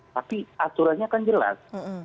tapi aturannya kan jelas